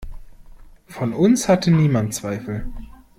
Von uns hatte niemand Zweifel.